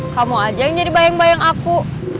kamu aja yang jadi bayang bayang aku